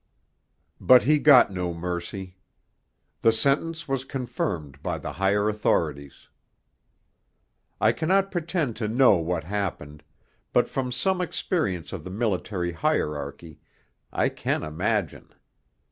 II But he got no mercy. The sentence was confirmed by the higher authorities. I cannot pretend to know what happened, but from some experience of the military hierarchy I can imagine.